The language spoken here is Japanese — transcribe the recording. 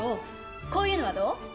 こういうのは、どう？